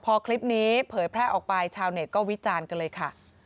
พอคลิปนี้เผยแพร่ออกไปชาวเน็ตก็วิจารณ์กันเลยค่ะ